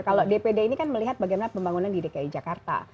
kalau dpd ini kan melihat bagaimana pembangunan di dki jakarta